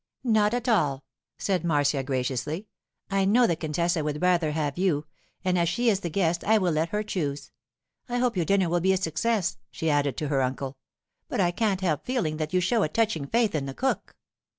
'Not at all,' said Marcia graciously, 'I know the Contessa would rather have you; and as she is the guest I will let her choose. I hope your dinner will be a success,' she added to her uncle, 'but I can't help feeling that you show a touching faith in the cook.